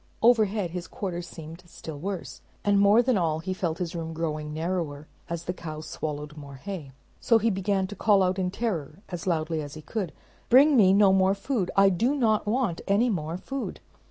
Overhead his quarters seemed still worse, and more than all, he felt his room growing narrower, as the cow swallowed more hay. So he began to call out in terror as loudly as he could, "Bring me no more food. I do not want any more food!"